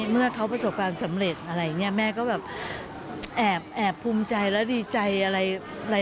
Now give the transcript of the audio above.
เมื่อเขาประสบความสำเร็จออกไหนไงแม่ก็แบบแอบพุมใจแล้วดีใจอะไร